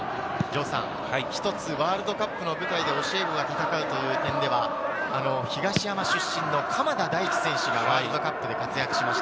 一つ、ワールドカップの舞台で教えるのが戦うという点では、東山出身の鎌田大地選手がワールドカップで活躍しました。